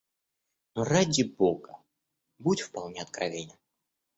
Но, ради Бога, будь вполне откровенен.